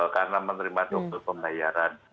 karena menerima dokter pembayaran